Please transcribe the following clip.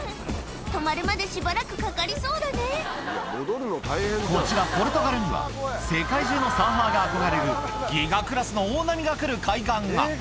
止まるまで、しばらくかかりそうこちら、ポルトガルには、世界中のサーファーが憧れるギガクラスの大波が来る海岸が。